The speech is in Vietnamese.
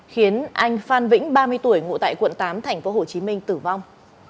khiến anh phan vĩnh ba mươi tuổi ngụ tại quận tám tp hcm tử vong